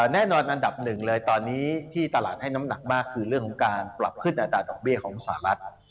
แน่นอนอันดับหนึ่งเลยตอนนี้ที่ตลาดให้น้ำหนักมากคือเรื่องของการปรับขึ้นอัตราดอกเบี้ยของสหรัฐ